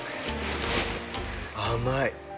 甘い！